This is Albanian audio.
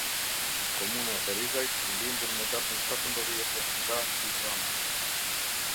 Komuna e Ferizajt, lindur me datën shtatëmbëdhjetë, nga i ëma.